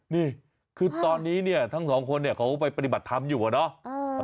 นี่คือตอนนี้ทั้ง๒คนเขาไปปฏิบัติธรรมอยู่นะ